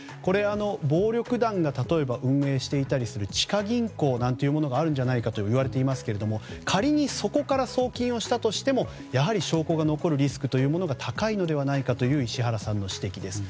暴力団が例えば運営していたりする地下銀行があるんじゃないかといわれていますけれども仮にそこから送金をしたとしても証拠が残るリスクが高いのではないかという石原さんの指摘です。